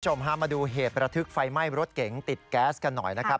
พามาดูเหตุประทึกไฟไหม้รถเก๋งติดแก๊สกันหน่อยนะครับ